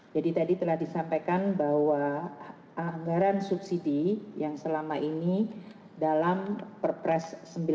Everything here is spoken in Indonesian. jadi tadi telah disampaikan bahwa anggaran subsidi yang selama ini dalam perpres sembilan puluh delapan